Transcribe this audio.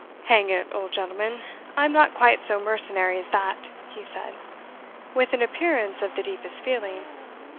"Hang it, old gentleman, I'm not quite so mercenary as that!" he said, with an appearance of the deepest feeling.